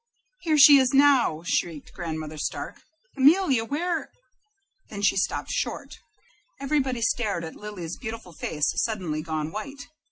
"Here she is now," shrieked Grandmother Stark. "Amelia, where " Then she stopped short. Everybody stared at Lily's beautiful face suddenly gone white.